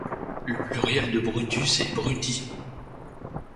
Le pluriel de Brutus est Bruti.